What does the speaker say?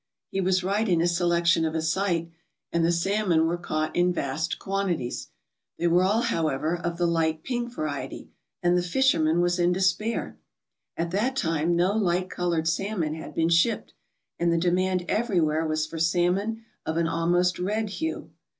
He was right in his selection of a site, and the salmon were caught in vast quantities. They were all, however, of the light pink variety, and the fisherman was in despair. At that time no light coloured salmon had been shipped, and the demand everywhere was for salmon of an almost red hue.